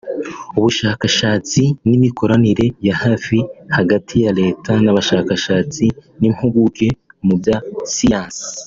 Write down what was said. ubushakashatsi n’imikoranire ya hafi hagati ya Leta n’abashakashatsi n’impuguke mu bya Siyansi